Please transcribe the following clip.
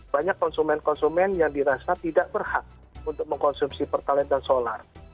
banyak konsumen konsumen yang dirasa tidak berhak untuk mengkonsumsi pertalite dan solar